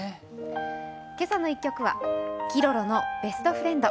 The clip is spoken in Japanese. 「けさの１曲」はＫｉｒｏｒｏの「ＢｅｓｔＦｒｉｅｎｄ」。